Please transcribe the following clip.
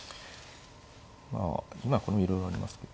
まあこれもいろいろありますけどね。